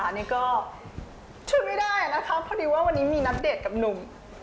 อันนี้ก็ช่วยไม่ได้นะคะพอดีว่าวันนี้มีนัดเดทกับหนุ่ม